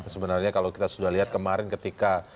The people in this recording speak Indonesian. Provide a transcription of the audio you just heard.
sebenarnya kalau kita sudah lihat kemarin ketika